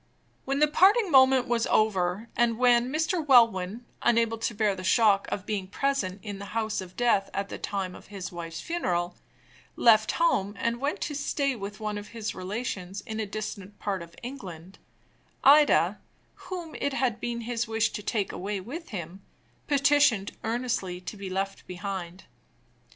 When the parting moment was over, and when Mr. Welwyn, unable to bear the shock of being present in the house of death at the time of his wife's funeral, left home and went to stay with one of his relations in a distant part of England, Ida, whom it had been his wish to take away with him, petitioned earnestly to be left behind.